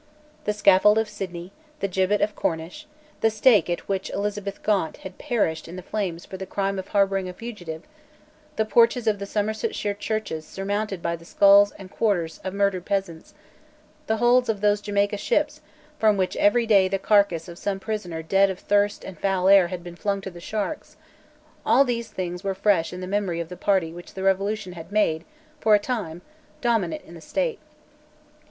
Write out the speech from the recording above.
The scaffold of Sidney, the gibbet of Cornish, the stake at which Elizabeth Gaunt had perished in the flames for the crime of harbouring a fugitive, the porches of the Somersetshire churches surmounted by the skulls and quarters of murdered peasants, the holds of those Jamaica ships from which every day the carcass of some prisoner dead of thirst and foul air had been flung to the sharks, all these things were fresh in the memory of the party which the Revolution had made, for a time, dominant in the State.